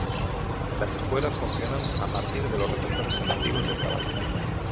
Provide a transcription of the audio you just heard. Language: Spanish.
Las espuelas funcionan a partir de los receptores sensitivos del caballo.